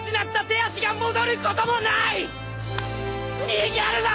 逃げるな！